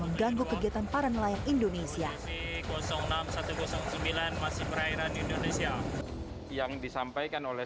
mengganggu kegiatan para nelayan indonesia enam ribu satu ratus sembilan masih perairan indonesia yang disampaikan oleh